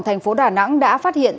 thành phố đà nẵng đã phát hiện